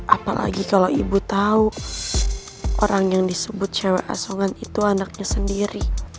apalagi kalau ibu tahu orang yang disebut cewek asongan itu anaknya sendiri